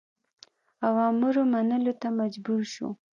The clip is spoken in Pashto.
اوامرو منلو ته مجبور شو.